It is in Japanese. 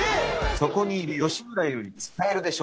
そこにいる吉村より使えるでしょ。